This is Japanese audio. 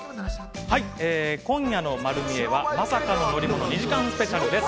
今夜の『まる見え！』はまさかの乗り物２時間スペシャルです。